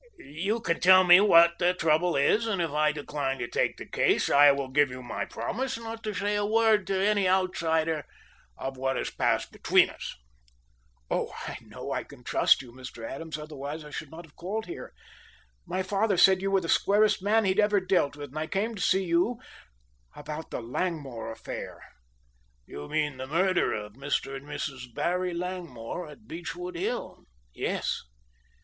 "You can tell me what the trouble is and if I decline to take the case I will give you my promise not to say a word to any outsider of what has passed between us." "Oh, I know I can trust you, Mr. Adams, otherwise I should not have called here. My father said you were the squarest man he had ever dealt with. I came to see you about the Langmore affair." "You mean the murder of Mr. and Mrs. Barry Langmore at Beechwood Hill?" "Yes."